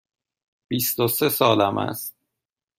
بیست و سه سالم است.